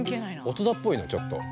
大人っぽいなちょっと。